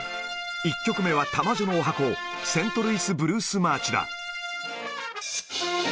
１曲目は玉女の十八番、セントルイス・ブルース・マーチだ。